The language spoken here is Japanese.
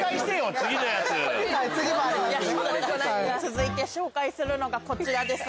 続いて紹介するのがこちらです。